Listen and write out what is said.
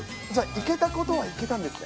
行けたことは行けたんですね。